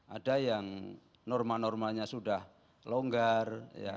ada yang norma normanya sudah longgar